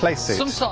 そう。